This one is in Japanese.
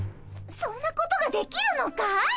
そんなことができるのかい？